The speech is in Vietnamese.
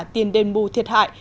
tiền đền bù thiệt hại